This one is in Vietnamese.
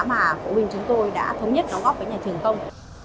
mà phụ huynh chúng tôi đã thống nhất đóng góp với nhà trường không